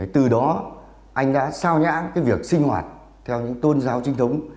từ đó anh đã sao nhãn việc sinh hoạt theo những tôn giáo trinh thống